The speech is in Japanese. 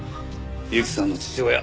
由季さんの父親。